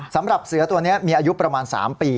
สำหรับเสือตัวนี้มีอายุประมาณ๓ปี